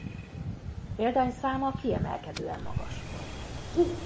Példányszáma kiemelkedően magas volt.